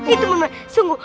itu bener sungguh